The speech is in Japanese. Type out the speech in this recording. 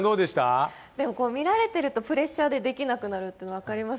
見られているとプレッシャーでできなくなるの分かります。